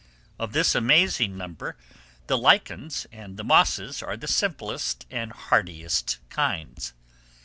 Of this amazing number the lichens and the mosses are of the simplest and hardiest kinds.